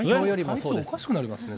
体調おかしくなりますね。